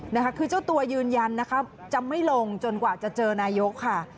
นะคะคือเจ้าตัวยืนยันนะคะจะไม่ลงจนกว่าจะเจอนายกค่ะ